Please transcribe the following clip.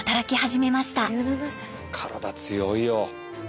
体強いよ。